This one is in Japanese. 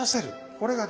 これがね